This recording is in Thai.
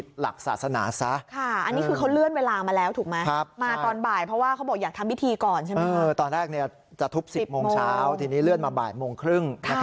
ตอนแรกจะทุบ๑๐โมงเช้าทีนี้เลื่อนมาบ่ายโมงครึ่ง